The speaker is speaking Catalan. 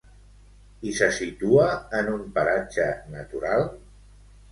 I se situa en un paratge natural?